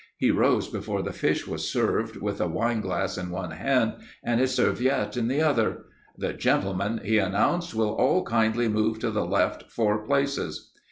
He rose before the fish was served, with a wine glass in one hand and his serviette in the other. "The gentlemen," he announced, "will all kindly move to the left four places."